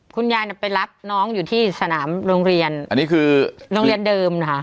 คุณยายน่ะไปรับน้องอยู่ที่สนามโรงเรียนอันนี้คือโรงเรียนเดิมนะคะ